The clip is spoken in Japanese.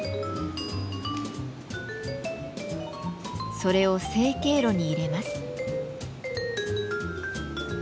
それを成形炉に入れます。